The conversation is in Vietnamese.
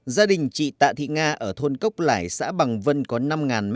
gia đình chị tạ thị nga ở thôn cốc lải xã bằng vân có năm m hai